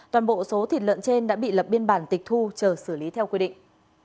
toàn bộ số thịt lợn trên đã bị lập biên bản tịch thu chờ xử lý theo quy định